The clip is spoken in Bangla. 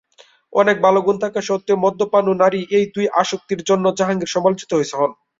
অনেক ভাল গুন থাকা সত্ত্বেও, মদ্যপান ও নারী এই দুই আসক্তির জন্য জাহাঙ্গীর সমালোচিত হন।